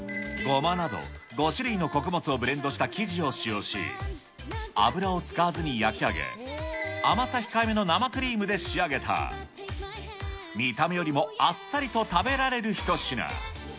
ゴマなど５種類の穀物をブレンドした生地を使用し、油を使わずに焼き上げ、甘さ控えめの生クリームで仕上げた、見た目よりもあっさりと食べられる一品。